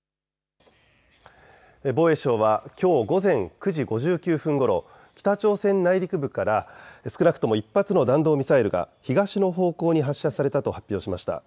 防衛省はきょう午前９時５９分ごろ、北朝鮮内陸部から少なくとも１発の弾道ミサイルが東の方向に発射されたと発表しました。